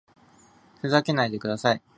ふざけないでください